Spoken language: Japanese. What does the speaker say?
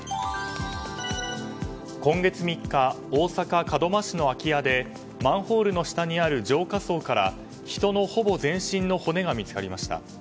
今月３日大阪・門真市の空き家でマンホールの下にある浄化槽から人のほぼ全身の骨が見つかりました。